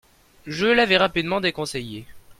Je l'avais rapidement déconseillé.